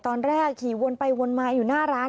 ตอนแรกขี่วนไปวนมาอยู่หน้าร้าน